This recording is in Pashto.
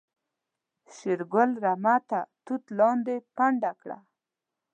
شېرګل رمه تر توت لاندې پنډه کړه.